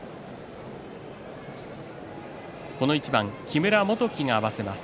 この一番木村元基が合わせます。